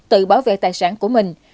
tự bảo vệ tài sản của mình